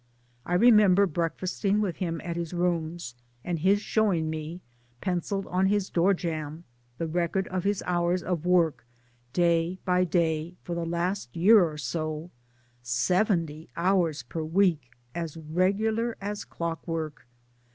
I remember break fasting with him at his rooms, and his showing me, pencilled on his door jamb, the record of his hours of work, day by day, for the last year or so seventy hours per week, as regular as clockwork